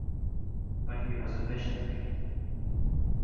But he was a visionary.